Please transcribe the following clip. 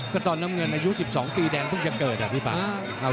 ก็ตอนน้ำเงินอายุ๑๒ปีแดงเพิ่งจะเกิดอ่ะพี่ป่า